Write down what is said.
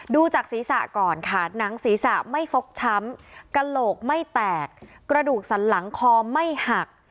ดูจากศีรษะก่อนค่ะหนังศีรษะไม่ฟกช้ำกระโหลกไม่แตกกระดูกสันหลังคอไม่หัก